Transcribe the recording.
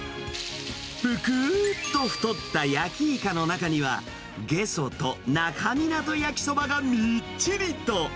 ぷくーっと太った焼きイカの中には、ゲソと那珂湊焼きそばがみっちりと。